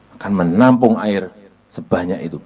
akan menampung air sebanyak itu